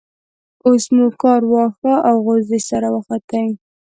اوس مو کار واښ او غوزی سره وختی.